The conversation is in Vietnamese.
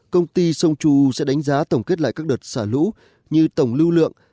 công ty sông chu sẽ đánh giá tổng kết lại các đợt xả lũ như tổng lưu lượng